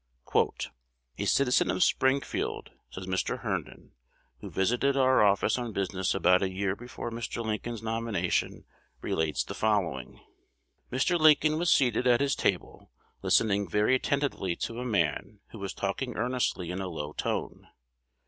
"A citizen of Springfield," says Mr. Herndon, "who visited our office on business about a year before Mr. Lincoln's nomination, relates the following: "'Mr. Lincoln was seated at his table, listening very attentively to a man who was talking earnestly in a low tone.